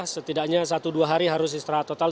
setidaknya satu dua hari harus istirahat total